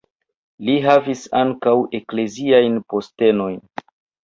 Li havis ankaŭ ekleziajn postenojn.